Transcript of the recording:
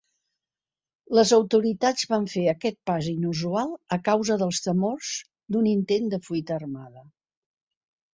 Les autoritats van fer aquest pas inusual a causa dels temors d'un intent de fuita armada.